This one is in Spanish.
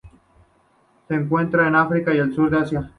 Se encuentra en África y el sur de Asia.